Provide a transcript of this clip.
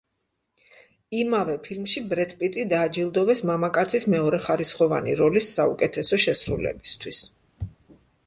იმავე ფილმში ბრედ პიტი დააჯილდოვეს მამაკაცის მეორეხარისხოვანი როლის საუკეთესო შესრულებისთვის.